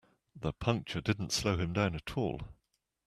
The puncture didn't slow him down at all.